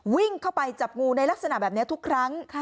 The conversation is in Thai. วิ่งเข้าไปจับงูในลักษณะแบบนี้ทุกครั้ง